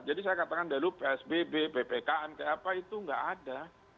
jadi saya katakan dulu psbb ppkm kayak apa itu nggak ada